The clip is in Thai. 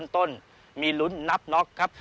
ต้นมีลุ้นนับน็อกครับ